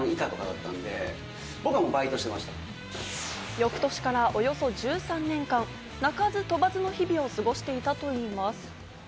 翌年からおよそ１３年間、鳴かず飛ばずの日々を過ごしていたといいます。